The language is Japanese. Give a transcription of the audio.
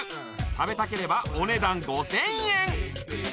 食べたければお値段５０００円